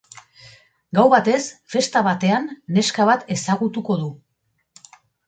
Gau batez, festa batean, neska bat ezagutuko du.